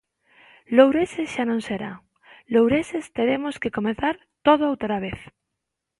Loureses xa non será Loureses, teremos que comezar todo outra vez.